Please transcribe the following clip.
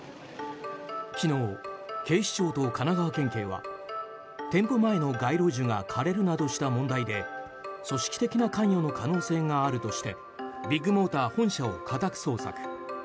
昨日、警視庁と神奈川県警は店舗前の街路樹が枯れるなどした問題で組織的な関与の可能性があるとしてビッグモーター本社を家宅捜索。